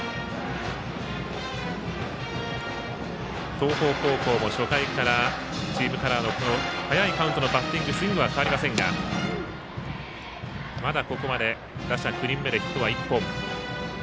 東邦高校も初回からチームカラーの早いカウントのバッティングスイングは変わりませんがまだ、ここまで打者９人目でヒットは１本。